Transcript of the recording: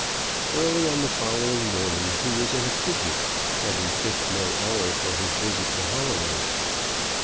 Early on the following morning he was in a fidget, having fixed no hour for his visit to Holloway.